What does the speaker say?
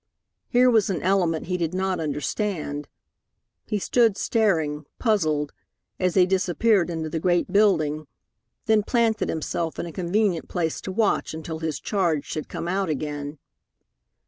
Here was an element he did not understand. He stood staring, puzzled, as they disappeared into the great building; then planted himself in a convenient place to watch until his charge should come out again.